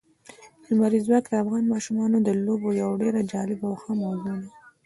لمریز ځواک د افغان ماشومانو د لوبو یوه ډېره جالبه او ښه موضوع ده.